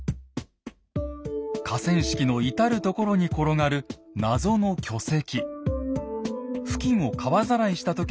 河川敷の至る所に転がる謎の巨石。